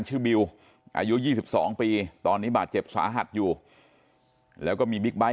บิวอายุ๒๒ปีตอนนี้บาดเจ็บสาหัสอยู่แล้วก็มีบิ๊กไบท์